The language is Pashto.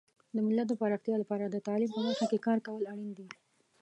د ملت د پراختیا لپاره د تعلیم په برخه کې کار کول اړین دي.